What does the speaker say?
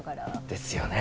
ですよね。